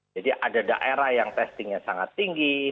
jadi ada daerah yang testingnya sangat tinggi